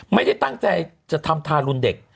ไม่ได้ตั้งใจจะทำทารุณเด็ก